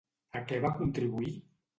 A què va contribuir?